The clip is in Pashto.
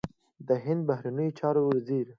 د هند بهرنیو چارو وزیر